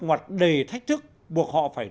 ngoặt đầy thách thức buộc họ phải